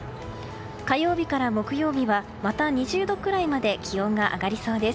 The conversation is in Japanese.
火曜日から木曜日はまた２０度くらいまで気温が上がりそうです。